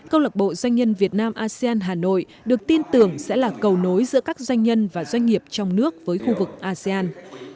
câu lạc bộ doanh nhân việt nam asean hà nội được tin tưởng sẽ là cầu nối giữa các doanh nhân và doanh nghiệp trong nước với khu vực asean